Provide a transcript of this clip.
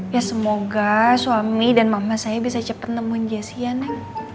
ya semoga suami dan mama saya bisa cepet nemuin jessi ya neneng